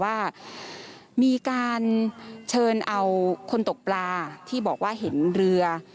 ว่ามีการเชิญเอาคนตกปลาที่บอกว่าเห็นเรือ